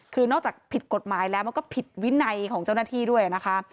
คือนอกจากผิดกฎหมายแล้วมันก็ผิดวินัยของเจ้าหน้าที่ด้วยนะคะ